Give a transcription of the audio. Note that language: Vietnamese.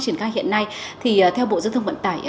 triển khai hiện nay thì theo bộ giao thông vận tải